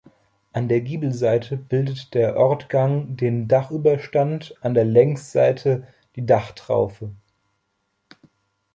An der Giebelseite bildet der Ortgang den Dachüberstand, an der Längsseite die Dachtraufe.